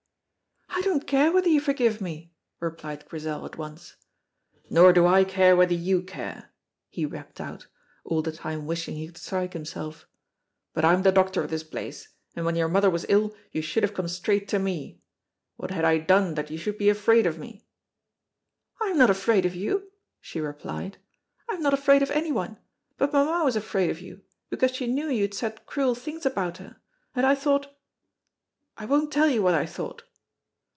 "I don't care whether you forgive me," replied Grizel at once. "Nor do I care whether you care," he rapped out, all the time wishing he could strike himself; "but I'm the doctor of this place, and when your mother was ill you should have come straight to me. What had I done that you should be afraid of me?" "I am not afraid of you," she replied, "I am not afraid of anyone, but mamma was afraid of you because she knew you had said cruel things about her, and I thought I won't tell you what I thought."